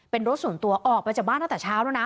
เป็นรถส่วนตัวออกไปจากบ้านตั้งแต่เช้าแล้วนะ